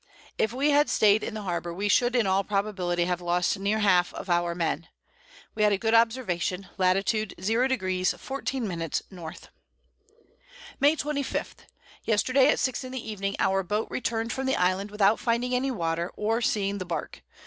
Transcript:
If we had staid in the Harbour, we should in all probability have lost near half of our Men. We had a good Observation, Lat. 00°. 14´´. N. May 25. Yesterday at 6 in the Evening our Boat return'd from the Island without finding any Water, or seeing the Bark.